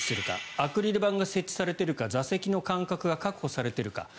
アクリル板が設置されているか座席の間隔が確保されているか。